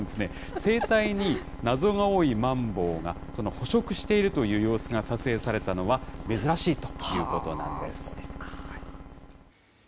生態に謎が多いマンボウが、その捕食しているという様子が撮影されたのは、珍しいということなんです。